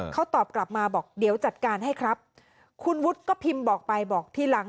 เขาตอบกลับมาบอกเดี๋ยวจัดการให้ครับคุณวุฒิก็พิมพ์บอกไปบอกทีหลัง